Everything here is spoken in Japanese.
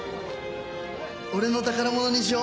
俺の宝物にしよ。